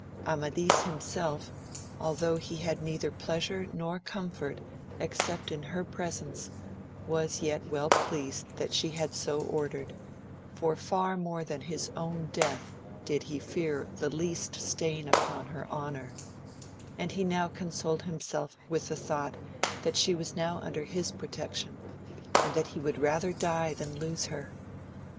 Amadis himself, altho' he had neither pleasure nor comfort except in her presence, was yet well pleased that she had so ordered, for far more than his own death did he fear the least stain upon her honour ; and he now consoled himself with the thought that she was now under his protection, and that he would rather die than lose her.